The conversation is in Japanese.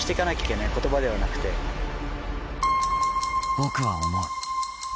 僕は思う。